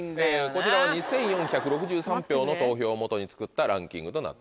こちらは２４６３票の投票をもとに作ったランキングとなっております。